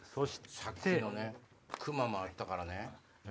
さっきのクマもあったからね。